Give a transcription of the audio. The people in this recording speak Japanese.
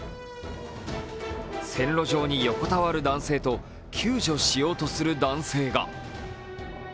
線路上に横たわる男性と救助しようとする男性が。